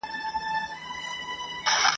له منظور پښتین سره ..